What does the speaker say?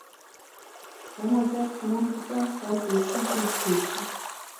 Dema ger temam dibe, sal dozdeh meh çêdibe.